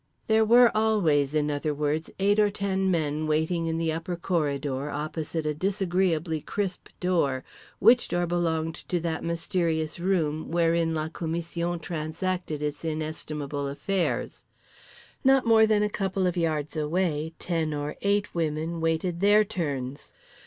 There were always, in other words, eight or ten men waiting in the upper corridor opposite a disagreeably crisp door, which door belonged to that mysterious room wherein la commission transacted its inestimable affairs. Not more than a couple of yards away ten or eight women waited their turns.